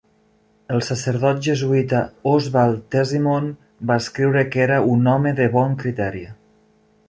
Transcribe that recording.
El sacerdot jesuïta Oswald Tesimond va escriure que era "un home de bon criteri.